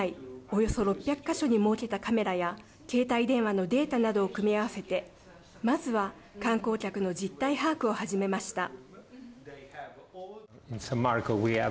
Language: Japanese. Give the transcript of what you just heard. およそ６００か所に設けたカメラや携帯電話のデータなどを組み合わせてまずは観光客の実態把握を始めました。